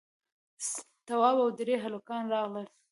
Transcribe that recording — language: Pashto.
تواب او درې هلکان راغلل.